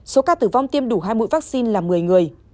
số ca tử vong tiêm đủ hai mũi vaccine là một mươi người